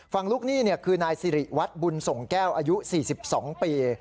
ฝั่งลูกหนี้เนี่ยคือนายซิริวัชน์บุญส่งแก้วอายุ๔๒ปี